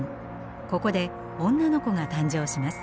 ここで女の子が誕生します。